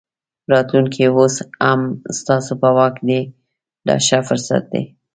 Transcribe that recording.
راتلونکی اوس هم ستاسو په واک دی دا ښه فرصت دی.